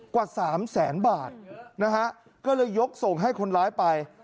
กว่าสามแสนบาทนะฮะก็เลยยกส่งให้คนร้ายไป